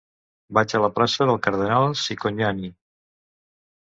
Vaig a la plaça del Cardenal Cicognani.